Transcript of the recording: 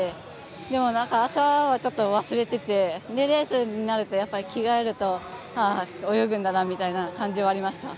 でも、朝はちょっと忘れていてで、レースになると着替えると、ああ泳ぐんだなみたいな感じはありました。